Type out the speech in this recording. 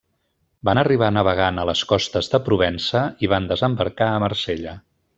Van arribar navegant a les costes de Provença i van desembarcar a Marsella.